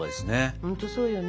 本当そうよね。